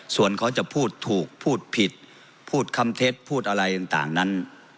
ส่วนเขาจะพูดถูกพูดผิดพูดคำเท็จพูดอะไรต่างนั้น